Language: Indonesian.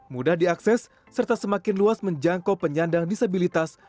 mudah diakses serta semakin luas menjangkau penyandang disabilitas